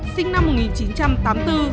sinh năm một nghìn chín trăm tám mươi bốn